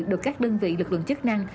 được các đơn vị lực lượng chức năng